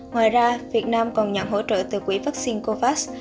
ngoài ra việt nam còn nhận hỗ trợ từ quỹ vaccine covid